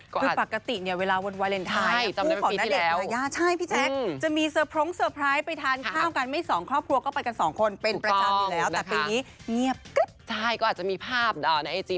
คือปกติเนี่ยเวลาวันวาเลนไทย